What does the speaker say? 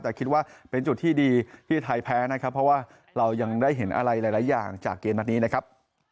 แต่คิดว่าเป็นจุดที่ดีที่ไทยแพ้นะครับเพราะว่าเรายังได้เห็นอะไรหลายอย่างจากเกมนัดนี้นะครับ